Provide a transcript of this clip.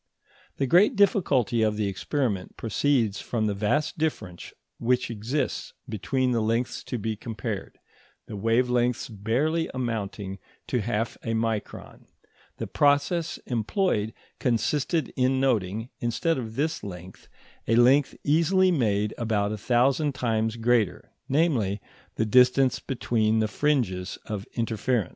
The great difficulty of the experiment proceeds from the vast difference which exists between the lengths to be compared, the wave lengths barely amounting to half a micron; the process employed consisted in noting, instead of this length, a length easily made about a thousand times greater, namely, the distance between the fringes of interference.